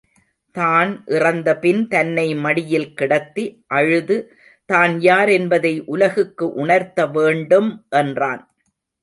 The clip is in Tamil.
தான் இறந்தபின் தன்னை மடியில் கிடத்தி அழுது தான் யார் என்பதை உலகுக்கு உணர்த்த வேண்டும் என்றான்.